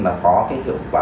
mà có cái hiệu quả